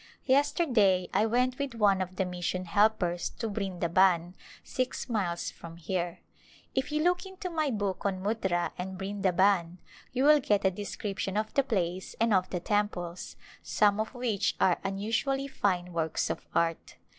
Yesterday I went with one of the mission helpers to Brindaban, six miles from here. If you look into In the Mountains my book on Muttra and Brindaban you will get a de scription of the place and of the temples, some of which are unusually fine works of art.